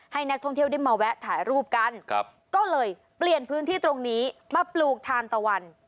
ให้นักท่องเที่ยวได้มาแวะถ่ายรูปกันก็เลยเปลี่ยนพื้นที่ตรงนี้มาปลูกทานตะวัน